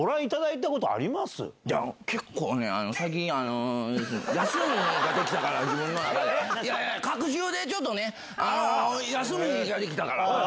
いやいや、隔週でちょっとね、休みが出来たから。